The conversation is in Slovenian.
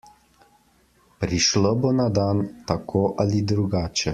Prišlo bo na dan, tako ali drugače.